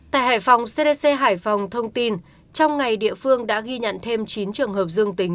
tại hải phòng cdc hải phòng thông tin trong ngày địa phương đã ghi nhận thêm chín trường hợp dương tính